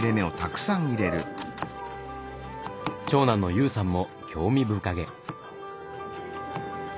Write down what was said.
長男の悠さんも興味深げ。